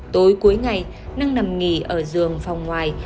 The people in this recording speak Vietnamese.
tối cuối ngày năng nằm nghỉ ở giường phòng ngoài